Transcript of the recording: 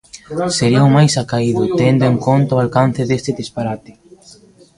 Sería o máis acaído, tendo en conta o alcance deste disparate.